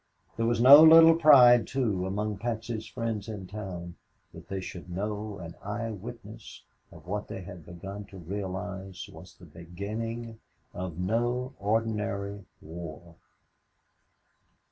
There was no little pride, too, among Patsy's friends in town that they should know an eye witness of what they had begun to realize was the beginning of no ordinary war.